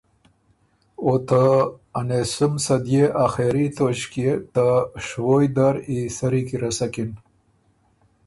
او ته انېسُم صدئے آخېري توݭکيې ته شوویٛ در ای سری کی رسکِن۔